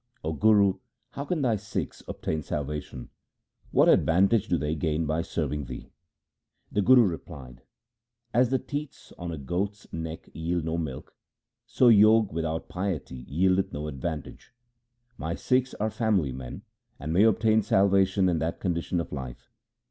O Guru, how can thy Sikhs obtain salva tion ? What advantage do they gain bv serving thee?' The Guru replied :' As the teats on a goat's neck yield no milk, so Jog without piety yieldeth no advantage. My Sikhs are family men, and may obtain salvation in that condition of life.